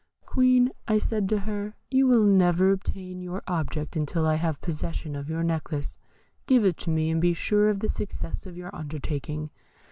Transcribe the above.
'Queen,' said I to her, 'you will never obtain your object until I have possession of your necklace. Give it to me, and be sure of the success of your undertaking.'